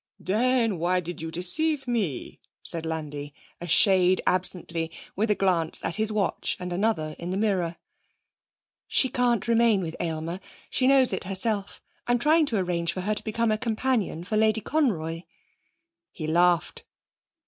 'Then why did you deceive me?' said Landi, a shade absently, with a glance at his watch and another in the mirror. 'She can't remain with Aylmer. She knows it herself. I'm trying to arrange for her to become a companion for Lady Conroy.' He laughed.